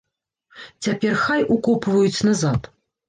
Цяпер хай укопваюць назад!